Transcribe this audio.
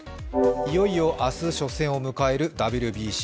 いよいよ明日初戦を迎えるＷＢＣ。